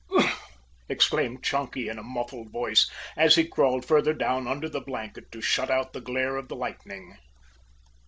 "Ugh!" exclaimed Chunky in a muffled voice, as he crawled further down under the blanket to shut out the glare of the lightning.